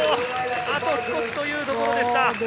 あと少しというところでした。